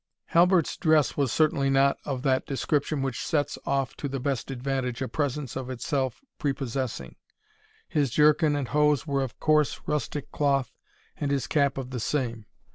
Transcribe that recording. Halbert's dress was certainly not of that description which sets off to the best advantage a presence of itself prepossessing. His jerkin and hose were of coarse rustic cloth, and his cap of the same.